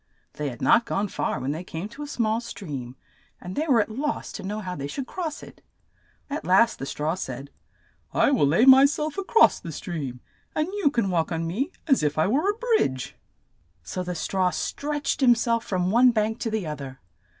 They had not gone far when they came to a small stream, and they were at loss to know how they should cross it. At last the straw said, "I will lay my self a cross the stream, and you can walk on me as if I were a bridge." So the straw stretched him self from one bank to the other.